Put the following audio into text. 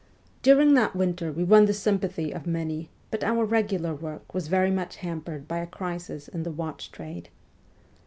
During that winter we won the sympathy of many, but our regular work was very much hampered by a crisis in the watch trade.